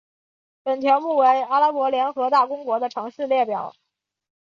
本条目为阿拉伯联合大公国的城市列表。